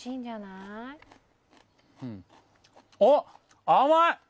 おっ、甘い！